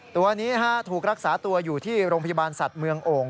ตัวนี้ถูกรักษาตัวอยู่ที่โรงพยาบาลสัตว์เมืองโอ่ง